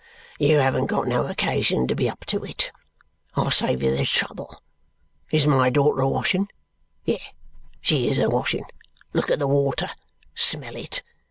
You haven't got no occasion to be up to it. I'll save you the trouble. Is my daughter a washin? Yes, she IS a washin. Look at the water. Smell it!